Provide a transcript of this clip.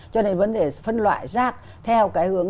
cho nên vấn đề phân loại rác theo cái hướng